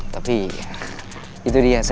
tapi itu dia